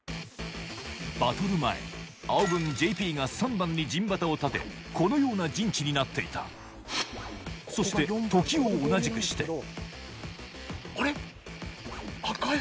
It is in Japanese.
バトル前青軍ＪＰが３番に陣旗を立てこのような陣地になっていたそして時を同じくしてあれ？